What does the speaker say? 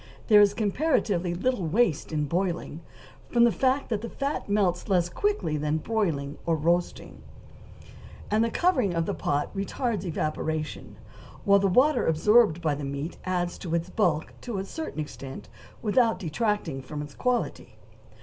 There is comparatively little waste in boiling, from the fact that fat melts less quickly than in broiling or roasting, and the covering of the pot retards evaporation, while the water absorbed by the meat adds to its bulk to a certain extent without detracting from its quality.